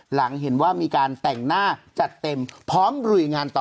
หลังเห็นว่ามีการแต่งหน้าจัดเต็มพร้อมลุยงานต่อ